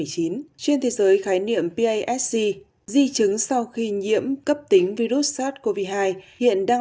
trên thế giới khái niệm pasc di chứng sau khi nhiễm cấp tính virus sars cov hai hiện đang